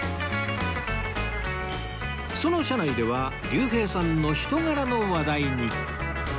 その車内では竜兵さんの人柄の話題に！